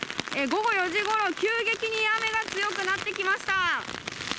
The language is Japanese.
午後４時ごろ、急激に雨が強くなってきました。